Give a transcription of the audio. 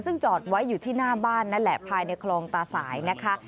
ซึ่งจอดไว้อยู่ที่หน้าบ้านนั่นแหละภายในคลองตาสายนะคะ